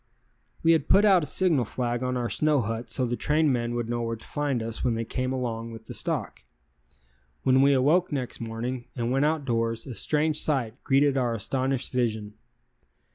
We had put out a signal flag on our snow hut so the trainmen would know where to find us when they came along with the stock. When we awoke next morning and went outdoors a strange sight greeted our astonished vision.